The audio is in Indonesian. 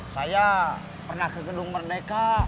saya pernah ke gedung merdeka